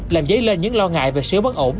làm dấy lên những lo ngại về sự bất ổn